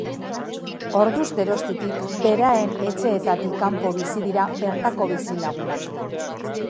Orduz geroztiztik beraen etxeetatik kanpo bizi dira bertako bizilagunak.